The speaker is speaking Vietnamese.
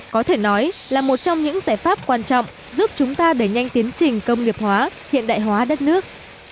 có thể nói là một trong những giải pháp quan trọng giúp chúng ta đẩy nhanh tiến trình công nghiệp hóa hiện đại hóa đất nước